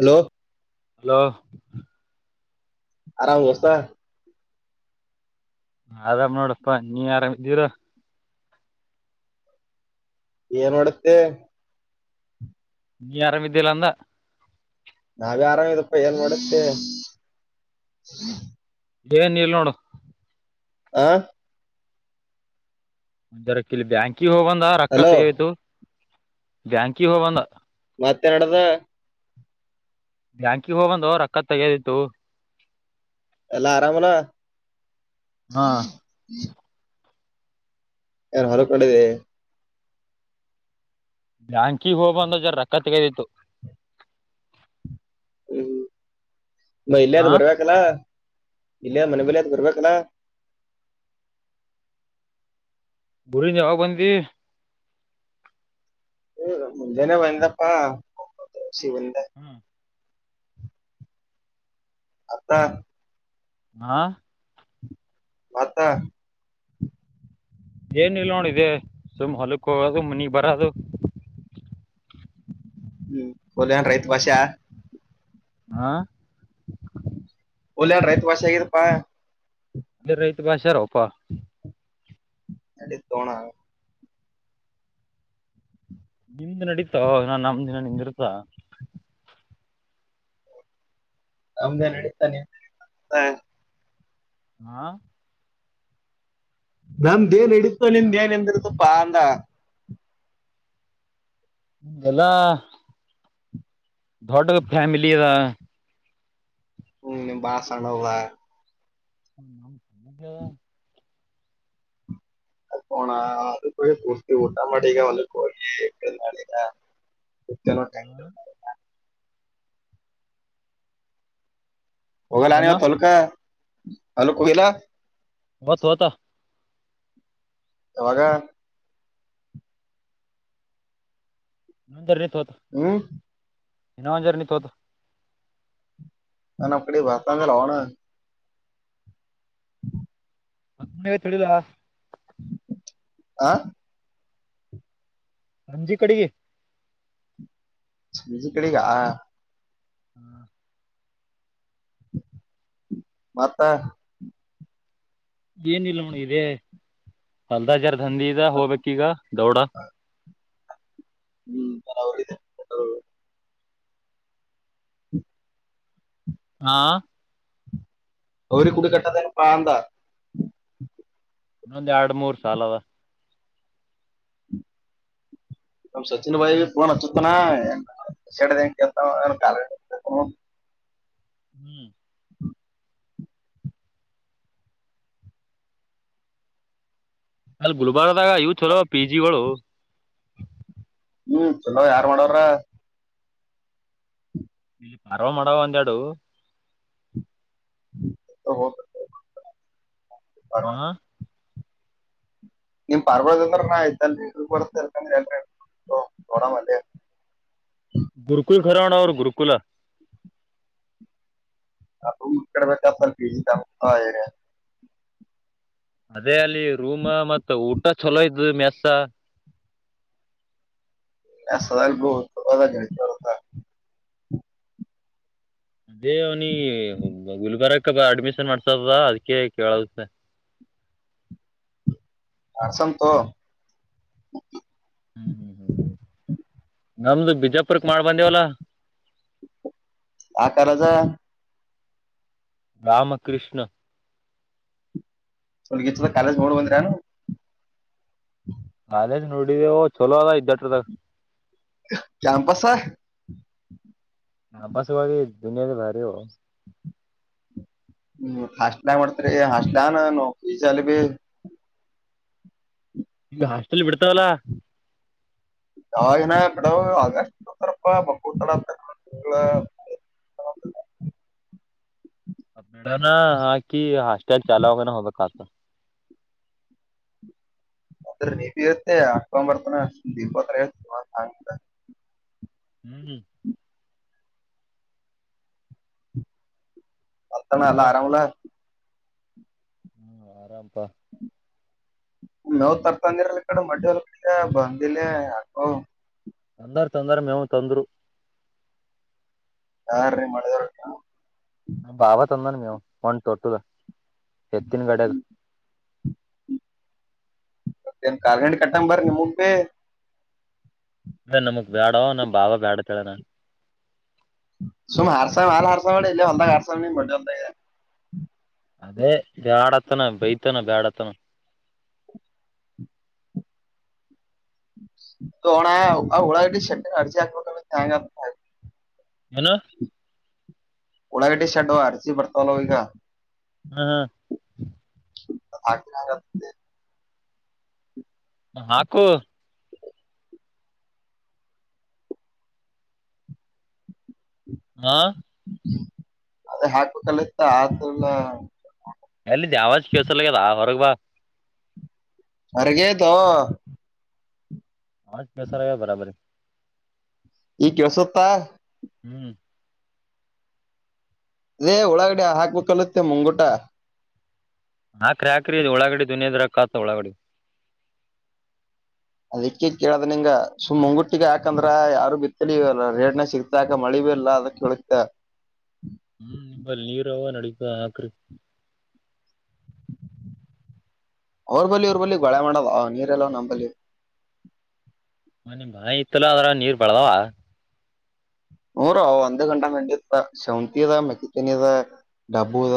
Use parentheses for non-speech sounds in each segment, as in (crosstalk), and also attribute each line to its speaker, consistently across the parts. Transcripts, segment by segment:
Speaker 1: Hello
Speaker 2: hello
Speaker 1: ಆರಾಮ ಗಸ್ತ
Speaker 2: ಅದಾಮ ನೋಡಪ್ಪಾ ನೀ ಆರಾಮ್ ಇದ್ದೀರ
Speaker 1: ಏನೋಡತ್ತ
Speaker 2: ನೀ ಆರಾಮ ಇದಿದ್ದೀಲ್ಲ ಅಂದ
Speaker 1: ನಾವೇ ಆರಾಮಿದಪ್ಪ ಏನ್ ಮಾಡುತ್ತೆ
Speaker 2: ಏನ್ ಇಲ್ ನೋಡು
Speaker 1: ಆ
Speaker 2: ಒರಕ್ಕಲ್ಲಿ ಬ್ಯಾಂಕ ಹೋಗಬಂದ ರೊಕ್ಕ
Speaker 1: ಹಲೋ
Speaker 2: ತೆಗೋಯ್ತು ಬ್ಯಾಂಕಿ ಹೋಗಬಂದ
Speaker 1: ಮತ್ತೆ ನಡದ
Speaker 2: ಬ್ಯಾಂಕಿಗೆ ಹೋಗಬಂದು ರೊಕ್ಕ ತಗೋದಿತ್ತು
Speaker 1: ಎಲ್ಲಾ ಆರಾಮನ
Speaker 2: ಹಾಂ
Speaker 1: ಯಾರು ಹಲ ಕಡೆದೆ
Speaker 2: ಜ್ಯಾಂಕಿ ಹೋಗಬಂದ ಜರ ರಕ್ಕ ತಗದಿತ್ತು
Speaker 1: ಹ್ಮ್ ಮಹಲ್ಯದು
Speaker 2: ಹಾಂ
Speaker 1: ಬರ್ಬೇಕಕ್ಲ್ಲ ಇಲ್ಲಯ ಮನೆ ಬಲಿದು ಬರ್ಬೇಕಲ್ಲಾ
Speaker 2: ಬುರಿ ಜಾವ ಬಂದಿ
Speaker 1: ಹ ಮುಂಜೆಾನ ವಂದಪ್ಪಾ ಸಿಂದ ಅತ್ತ
Speaker 2: ಹಾ
Speaker 1: ಮತ
Speaker 2: ಏನ್ ಇಲ್ ನೋಡದೆ ಸುಮ್ ಹೊಲಕ್ ಹೋಗೋದು ಮುನಿಗ್ ಬರದು
Speaker 1: ಹ್ಮ ಹದನ್ ರೈತು ಕಷೆ
Speaker 2: ಆಾ
Speaker 1: ಒಲ್ಯಾರ ರೈತ ವಷ ಆಗರಪ್ಪಾ
Speaker 2: ಅದೇ ರೈತ ಭಾಷಾರ ಅಪ್ಪಾ
Speaker 1: ಅ ತೋಣ
Speaker 2: ನಿಮ್ದ ನಡೀತಾ ನಾನ್ ನಮ ದಿನ ನಿಂದಿರುತ್ತ
Speaker 1: ಆಮ್ದೇ ನಡೀತಾನೆ ಹ
Speaker 2: ಹಾ
Speaker 1: ನಮ್ದೇಏನ್ ಹಿಡಿತ ನಿಮ ಏನ್ ಎಂದಿರ್ದಪ್ಪಾ ಅಂದ
Speaker 2: ಎಲ್ಲ ಡ್ಡಫೇಮಿಲಿದ
Speaker 1: ಹ್ಮ ಬಾಸಣಲ್ಲ
Speaker 2: ಹ್ಮ ನ
Speaker 1: ಅ ಪ ನಾ ಅದುಪಯ ಕೂರ್ಟ್ಟಿ ಊಟಮೆಟಿಕಾ ಒಂದು ಕೋರಿ ನಳ
Speaker 2: ಹಾ ಏನು
Speaker 1: ಒೋಗಲಾನವತ್ತು ಹಲ್ಕ ಅಲ್ಕಲ್ಲ
Speaker 2: ಹೊತ್ತುವತಾ
Speaker 1: ಯಾವಾಗ
Speaker 2: ನಂದ
Speaker 1: ಹ್ಮ
Speaker 2: ಇನ್ನ (inaudible)
Speaker 1: (inaudible) ಹ್ಮ್
Speaker 2: ಮತ್ತ ಮನಗ ತಿಳಲ
Speaker 1: ಹಾ
Speaker 2: ಅಜ್ಜಿ ಕಡಿಗೆ
Speaker 1: ಬಿಜಿ ಕಡೆಗ
Speaker 2: ಹ್ಮ್
Speaker 1: ಮಾತಾ
Speaker 2: ಏನಿಲ್ಲ ನ ಇದೇ ಹಲ್ದಾಜರ್ ದಂದಿ ಇದ ಹೋಗ್ಬೇಕಕ್ಗ ದೌಡ
Speaker 1: ಹ್ಮ್ ಬರಬರಿ ಇ ಹ್ಮ
Speaker 2: ಹಾ
Speaker 1: ಅವ ಕುಡ ಕೆಟ್ಟತನು ಪಾಂತಾ
Speaker 2: ಇನ್ನೊಂದ್ ಎರಡು ಮೂರ್ ಸಾಲದ
Speaker 1: ನ ಸಚಿನ್ (inaudible)
Speaker 2: ಹ್ಮ್ ಅಲ್ಲಿ ಗುಲ್ಬಾರದಾಗ ಇವು ಚಲೋ ಪಿ ಜಿಗಳುಗಳುು
Speaker 1: ಹ್ಮ್ ಚಲೋ ಯಾರ್ ಮಾಡವ್ರ
Speaker 2: ಇಲ್ಲಿ ಪಾರ್ವ ಮಾಡುವ ಒಂದೆಡು
Speaker 1: (inaudible)
Speaker 2: ಹಾ
Speaker 1: ನಿಮ್ ಪರ್ಬದ ಅಂದ್ರ ಆಯ್ತ ಬರ್ತರ್ಕ ಎೋಡಿ
Speaker 2: ಗುರುಕುಲ್ ರ ಹಣ ಅವರು ಗುರುಕುಲ
Speaker 1: ಅ ಕಡೆಮ ಚ ಸ ಪಜ ಹರ
Speaker 2: ಅದೇ ಅಲ್ಲಿ ರೂಮ ಮತ್ತ ಊಟ ಚಲೋ ಇದು ಮೆಸ
Speaker 1: ಎಸದಬ ಅದತ
Speaker 2: ದಹೇ ಅವ್ನು ಗುಲ್ಬಾರಾಗ ಅಕ್ಕ ಬ ಅಡ್ಮಿಷನ್ ಮಾಡ್ಸದ ಅದಕ ಕೇಳುತ್ತೆ
Speaker 1: ಹ ಸಂತು
Speaker 2: ಹ್ಮ್ ಹ್ಮ್ ಹ್ಮ್ ನಮ್ದು ಬಿಜಾಪುರಕ್ಕೆ ಮಾಡ ಬಂದೇವಲ್ಲ
Speaker 1: ಆಕಾರದ
Speaker 2: ರಾಮಕೃಷ್ಣ
Speaker 1: ಸಲ್ಗ ಕಾಲೇಜ್ ನೋಡ್ ಬಂದ್ರಾನು
Speaker 2: ಅದ ನೋಡಿದೆ ಚಲೋ ಅದ ಇದ್ದಟ್ರದಾಗ
Speaker 1: ಕಂಪಸ್ ಆ
Speaker 2: ಹಾ ಬಸುವಿ ದದುನಿಯದ ಭಾರಿ
Speaker 1: ಹ್ಮ ಹಾಸಟ ಮಾಡತ ಹಾಸಡಾಾನ ನೋಕರಿ ಚಲ್ಲ ಭ
Speaker 2: ಈಗ ಹಾಸ್ಟೆಲ್ ಬಿಡ್ತಾವಲ್ಲಾ
Speaker 1: ಯಾವನ ಬಿಡಾವ ಆಗಷ್ಟ ಸರಪ್ಪ ಬಕ್ಕೂಲ ಅಂತ (inaudible)
Speaker 2: ಅಾನ ಹಾಕಿ ಹಾಸ್ಟೆಲ್ ಚಾಲುವಾಗ ಹೋಗಬೇಕತ
Speaker 1: ಅದ ನೀಪ ಇತ್ತೆ ಅಕ ಬರ್ತನಷ್ಟ ದೀಪತ್ರುಂಬ
Speaker 2: ಹ್ಮ್ ಹ್ಮ
Speaker 1: ಅರ್ತಣ ಎಲ್ಲ
Speaker 2: ಇರ್ತ
Speaker 1: ಆರಾಮಲ್ಲ
Speaker 2: ಹ್ಮ್ ಆರಾಮಪಾ
Speaker 1: ನೋವ್ ತರ್ತಂದಿರಲ್ಲ ಕಡೆ ಮಟ್ಟಲ್ ಕ ಬಂದಿಲ್ಲ ಯಾಕ
Speaker 2: ತಂದರು ತೊಂದರೆ ಮೇವು ತೊಂದರು
Speaker 1: ಯಾರೀ ಮಾಡದಾರ
Speaker 2: ನ ಬಾಬ ತಂದಾನು ಮೇವು ಮಂಡ ತೊಟ್ಟದ ಎತ್ತಿನ ಗಡಗೆ
Speaker 1: ಮತ್ತೇನ್ ಕಾರ್ಂಡ ಕಟ್ಟ ಬರ ನಿಮಗ್
Speaker 2: ಅ ನಮಗ್ ಬ್ಯಾಡ ನಮ್ಮ ಭಾವ ಬ್ಯಾಡತಾಳ ನ
Speaker 1: ಸುಮ್ ಹಾರಸ ಹಾರಸ ಮಾಡಿ ಇಲ್ಲ ಹೊಂದಾಗ ಹಾರಸ ಮ ಇದೆ.
Speaker 2: ಅದೇ ಬ್ಯಾಡ ಹತ್ತನ ಬೈತಾನ ಬ್ಯಾಡ ಹತ್ತನ.
Speaker 1: ಹಣ ಆ ಹಳಾವಟ ಶ ಅರ್ಜ ಆಗ.
Speaker 2: ನು.
Speaker 1: ಉಳಾಗಡೆ ಶಡ್ ಅರ್ಚಿ ಬರ್ತಲ್ಲ ಈಗ.
Speaker 2: ಹಾ ಹಾ.
Speaker 1: (unintelligible)
Speaker 2: ಹಾಕು. ಹಾ
Speaker 1: ಅದೇ ಹಾಕ ಕಲಿತಾ ಆತಲ್ಲ.
Speaker 2: ಎಲ್ಲಿದ್ ಯಾವಾಜ್ ಕೇಸಲ್ಗ್ಯದ ಹೊರಗ್ ಬಾ
Speaker 1: ಅರ್ಗೆತ.
Speaker 2: ಆ ಪೇಸ ಆ ಬರಬರಿ
Speaker 1: ಈ ಕೆೇಳಸುತ್ತ.
Speaker 2: ಹ್ಮ್.
Speaker 1: ರೇ ಉಳಾಗಡೆ ಹಾಕ್ಬೇಕುಲತ್ತೆ ಮುಂಗೂಟ.
Speaker 2: ಹಾ ಕ್ರ್ಯಾಕ್ರಿ ಇ ಒಳಾಗಡೆ ದದುನಿಯ ದರ ಕತ ಒಳಾಗಡಿ.
Speaker 1: ಅದಿಕ್ಕೆ ಕೇಳದ್ ನಿಂಗ ಸುಮ್ ಮುಂಗುಟ್ಟಿಗೆ ಹಾಕಂದ್ರ ಯಾರು ಬಿತ್ತಲಿ ರೇಡ್ನ ಸಿಗ್ತಾಕ ಮಳಿ. ಇಲ್ಲಾದ ಕೊಳತ.
Speaker 2: ಹ. ಹ್ಮ್ ನಿಂಬಲ್ಲಿ ನೀರ ನಡತ ಹಾಕ್ರಿ
Speaker 1: ಅವ್ರ ಬಳಿ ಅವ್ರ ಬಳಿ ಗೋಳೆ ಮಾಡೋದ ನೀರೆಲ್ಲ ನಮ ಬಳಿ.
Speaker 2: ಮನೆೆ ಬಳೆ ಇತ್ತಲ್ಲ ಅದ್ರ ನೀರ್ ಬಳದವ.
Speaker 1: ಹೂರ ಒಂದು ಗಂಟ ಮಂಡಿತ್ತ ಶೌಂತಿ ಇದದ ಮಕ್ಕಿತನದ. ಡಾಬುದ.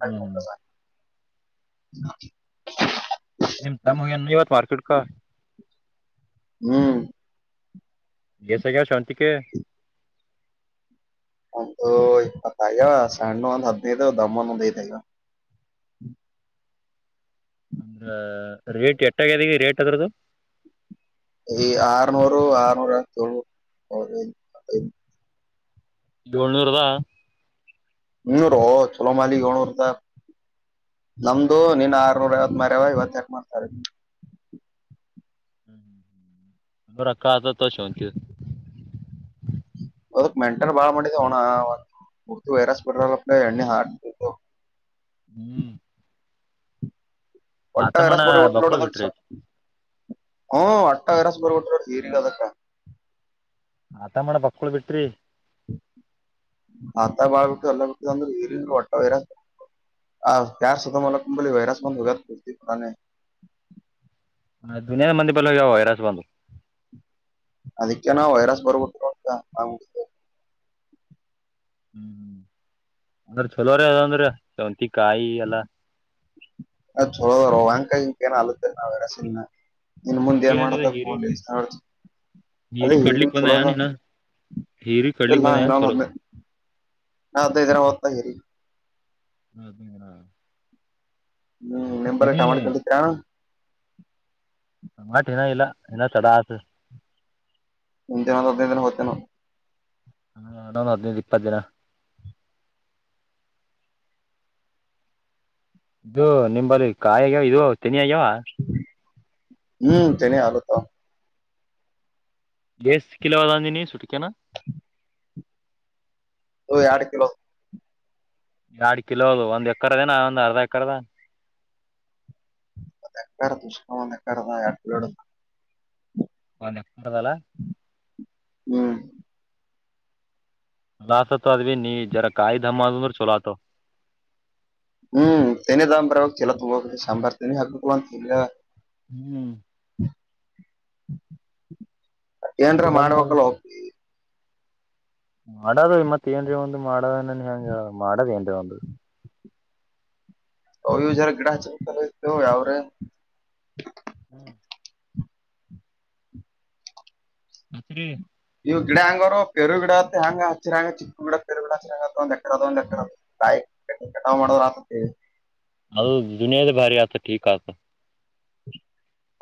Speaker 2: ಹ್ಮ್.
Speaker 1: (unintelligible)
Speaker 2: ನಿಮ್ ತ ಮುನ್ನು ಇವತ್ತು ಮಾರ್ಕಿಡ್ಕ.
Speaker 1: ಹ್ಮ್.
Speaker 2: ಗಸಗ ಶಾಂತಿಕ.
Speaker 1: ಒಂದು ಇಪ್ಪತ್ತೈ್ಯ ಸಣ್ಣ ಒಂದ್ ಹದ್ಿನೈದು ದಮ್ಮನ್ ಒಂದ್ ಐದೈಗ.
Speaker 2: (unintelligible) ಅಂದ್ರ ರೇಟ್ ಎಟ್ಟಾಗ್ಯದ ರೇಟ್ ಅದ್ರದ್ದು.
Speaker 1: ಈ ಆರನೂರು ಆರನೂರ ತಳ್ೂ.
Speaker 2: ಏಳ್ನೂರದಾ.
Speaker 1: ಇನ್ನೂರು ಚಲೋಮಾಲಿ ಒನೂರುದ. ನಮ್ದು ನೀನ್ ಆರ್ನೂರ ಐತ್ ಮಾರಾವ ಇವತ್ತಾಕ ಮಾಡ್ತಾರ.
Speaker 2: ಹ್ಮ ಅ ಅಕ್ಕಾತ ಶಂತ.
Speaker 1: ಒದು ಮೆಂಟ ಬಾಳ ಮಾಡಿ ಹನ. ಮರ್ತಿು ವೈರಾಸ ಪಡ್ರಲ್ಲಡ ಎ ಹಾ ದತ.
Speaker 2: ಹ್ಮ್.
Speaker 1: ಒಟ್ಟಟ್ಟಾ
Speaker 2: ಆತಮಣ
Speaker 1: ವ್ಯರಸ್ ಪರ ಒಟ್ಟಲು
Speaker 2: ಬಕ್ಕುಳ
Speaker 1: ಟಲ.
Speaker 2: ಬಿಟ್ರಿ
Speaker 1: ಹ್ಮ ಅಟ್ಟಗಾರಸ್ ಬರ್ಬಟ್ರ ತೀರಿಗ ಅದಕ್ಕ.
Speaker 2: ಆತ ಮಾಡೇಡ್ಣ ಬಕ್ಕಕೊಳ್ ಬಿಟ್ರಿ.
Speaker 1: ಆತ ಬಾಳ್ ಬಿಟ್ಟು ಎಲ್ಲ ಬಿಟ್ಟು ಅಂದ್ರೆ ಈರಿಂದ ಒಟ್ಟ ವೇರಂತ. ಆ ಕಾರ್ ಸದು ಮನ ಕಂಬಲಿ ವೈರಸ್ ಮಾಡಂದು ಉಗ ಪತಿ ಹೊರೆ.
Speaker 2: ದದುನಿಯದ ಮಂದಿ ಪಲ್ ಯ ವೈರಾಸ ಬಂದುು.
Speaker 1: ಅದಕ್ಕೆ ನ ವೈರಸ್ ಬರ್ಬಟ ಅಂತ.
Speaker 2: ಹ್ಮ್್ಮ್ ಅಂದ್ರೆ ಚಲೋ್ರ ಅಂದ್ರೆಂತ.
Speaker 1: ಅ ರ ರವಾಂಕ. ಏನ ಅಲುತ್ತ ನಾವ್ರಸ ಇನ್ ಮುಂದೆ
Speaker 2: ಹೀರಿ
Speaker 1: ಏನ್
Speaker 2: ಹೆಂಗದ ಹೀರಿ
Speaker 1: ಮಾಡತಲಿ. ಅದೇ
Speaker 2: ಹೀರಿ
Speaker 1: ಏರಿ
Speaker 2: ಕಡ್ಲಿಕ್ ಬಂದ ಏನ್
Speaker 1: ಚಲೋದಾ
Speaker 2: ಇನ್ನ ಹೀರಿ ಕಡ್ಲಿಕ್
Speaker 1: ಎಲ್ಲಾ
Speaker 2: ಬಂದ ಏನ್
Speaker 1: ಎಲ್ಲಾನ
Speaker 2: ಚಲೋ
Speaker 1: ಬಂದೆ ನಾ್ದ ಇದರ ಓದ್ತಾ ಹಿರಿ
Speaker 2: ಹ
Speaker 1: ಹ್ಮ್ ನಿಂಬರ್ ಕಾಮ ಕೊಂಡಿದರ
Speaker 2: ಮಾಡಟ್ ಇನ ಇಲ್ಲ ಇನ ಚಡ ಆತ
Speaker 1: ನಿನದಿನ ದಿನ ಹತನ
Speaker 2: ಅ ನಣ ಅ ಇಪ್ಪ ದಿನ ಇದು ನಿಂಬಲ್ಲಿ ಕಾಯಿ ಆಗ್ಯಾವ ಇದು ತನಿ ಆಗ್ಯಾವ
Speaker 1: ಹ್ಮ್ ತನ ಆಲತ
Speaker 2: ಬೇಸ್ ಕಲವಾದಿ ನೀ ಸಟಕೆನಾ
Speaker 1: ಓ ಆಡು ಕಲೋ
Speaker 2: ಎರಡ್ ಕಿಲೋ ಅದು ಒಂದ್ ಎಕರದೇನಾ ಒಂದ್ ಅರ್ಧ ಎಕರದ
Speaker 1: ನಕ್ಕ್ರ ದುಷ ನಕ್ಕ್ರಟ
Speaker 2: ಒಂದು ಎಕರೆ ಅದಲ್ಲ
Speaker 1: ಹ
Speaker 2: ನಾಸತ ಅದ ಭ ನೀ ಜರ ಕಾಯಿ ಧಮ್ಮ ಅದು ಅಂದ್ರ ಚೊಲ ಆತ
Speaker 1: ಹ್ಮ್ ತ ದಾಮ ಬ ಹಾಗ ಚಲ್ಲ ತುಂಬ ಸಾರ ತ ಹಾಬೇಕ ಕ ತಿ
Speaker 2: ಹ್ಮ್
Speaker 1: ಏನ್ರ
Speaker 2: ತೆನಿ ದಮ್
Speaker 1: ಮಾಡ್ಬೇಕಲ್ಲ ಹೋಗಿ
Speaker 2: ಮಾಡದು ಇ ಮತ್ ಏನ್ರಿ ಒಂದು ಮಾಡದನನ್ ಹೆಂಗ ಮಾಡದ ಏನ್ರರಿ ಒಂದು
Speaker 1: ಅವ ಇವು ಜ ಗಡಾಚಲತ ಅವರೆ
Speaker 2: ಹ್ಮ್ ಹತ್ರಿ
Speaker 1: ಇವು ಗಿಡ ಹಂಗೋರು ಪರು ಗಿಡತ್ತ ಹೆಂಗ ಹಚ್ಚಿರಾಂಗ ಚಿಕ್ಕ ಗಿಡ ಪರು ಗಡ ಹಚ್ಚಿರಂಗ ಎ ಅದ ಒ್ಕದ ಬಾಯ್ ಕಟಾವ ಮಾಡೋ ರತ
Speaker 2: ಅದು ದದುನಿಯದ ಭಾರಿ ಆತ ಿಕ ಆತ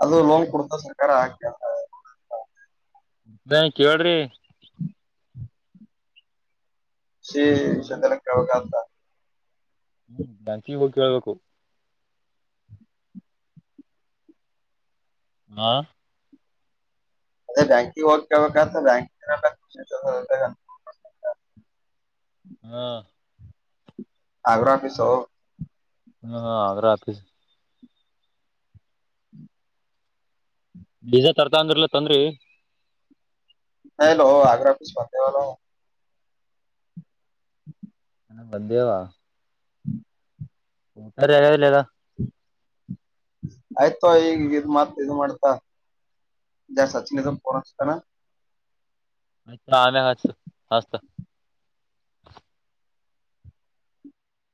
Speaker 1: ಅದು ಲೋನ್ ಕೊಡ್ತ ಸರ್ಕಾರಾಕಂತ
Speaker 2: ಕೇಳ್ರಿ
Speaker 1: ಶ್ರೀ ಸ್ಧಲ ಕವಕ ಅಂತ
Speaker 2: ಹ್ಮ್ ಜಾನ್ಚೀ ಹೋಗಿ ಕೇಳ್ಬೇಕು ಆ
Speaker 1: ಅ ಬ್ಯಾಂಕ ಹೂಗಿ ಕೇಳ್ಬೇಕು (inaudible)
Speaker 2: ಹ್ಮ
Speaker 1: ಹ್ಯಾಗ್ರೊ ಅಫಿಸು
Speaker 2: ಹ್ಮ ಹಾ ಆಗ್ರ ಆಫೀ ಬಡೀಸೆ ತರ್ತ ಅಂಗ್ರಲ ತಂದ್ರರಿ
Speaker 1: ಹಲೋ ಆಗ್ರ ಪೂಷ್ಪತವ (inaudible)
Speaker 2: ಮಧ್ಯವ ಅ ಅರಲ್ಲ ಅಾ
Speaker 1: ಆಯ್ತೋ ಈಗಗ ಇದ ಮಾತ್ ಇದ ಮಾಡ್ತ ಜಾ ಸಾಚಿನತ ಪಕ
Speaker 2: ಅ ಆಮೇ ಹಚತು ಹತ